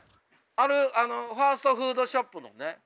あるファストフードショップのね